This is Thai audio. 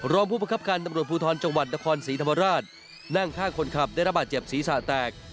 รองผู้ประคับการตำรวจภูทรจังหวัดนครศรีธรรมราชนั่งข้างคนขับได้รับบาดเจ็บศีรษะแตก